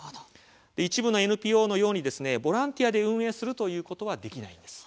一部のＮＰＯのようにボランティアで運営するということはできないんです。